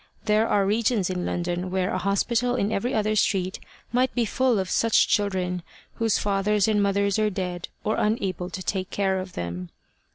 There are regions in London where a hospital in every other street might be full of such children, whose fathers and mothers are dead, or unable to take care of them.